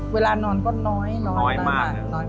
เวลานอนก็น้อยมาก